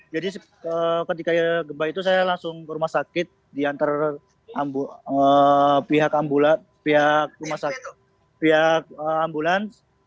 jadi ketika gempa itu saya langsung ke rumah sakit di antar pihak ambulans